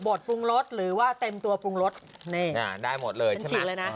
โตปะหมึกนี่ปะหมึกจริง